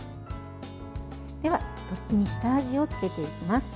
では鶏肉に下味をつけていきます。